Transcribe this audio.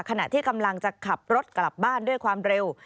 ขณะที่กำลังจะขับรถกลับบ้านด้วยความเร็ว